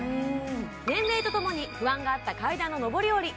年齢とともに不安があった階段の上り下り